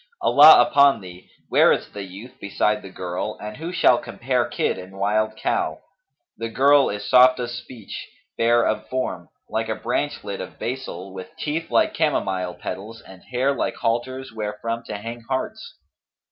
Allah upon thee, where is the youth beside the girl and who shall compare kid and wild cow? The girl is soft of speech, fair of form, like a branchlet of basil, with teeth like chamomile petals and hair like halters wherefrom to hang hearts.